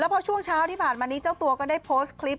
พอช่วงเช้าที่ผ่านมานี้เจ้าตัวก็ได้โพสต์คลิป